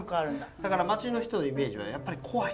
だから街の人のイメージはやっぱり怖い。